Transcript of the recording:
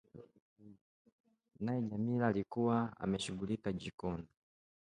naye Jamila alikuwa ameshughulika jikoni